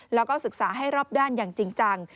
แล้วก็ศึกษาให้รอบด้านอย่างจริงจัง